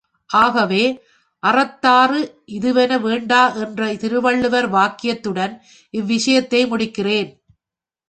ஆகவே, அறத்தாறு இதுவென வேண்டா என்ற திருவள்ளுவர் வாக்கியத்துடன் இவ்விஷயத்தை முடிக்கிறேன்.